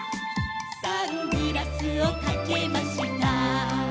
「サングラスをかけました」